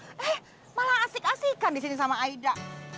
eh malah asik asikan disini sama aida